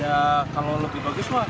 ya kalau lebih bagus lah